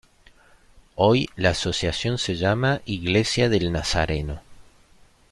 Hoy, la Asociación se llama Iglesia del nazareno.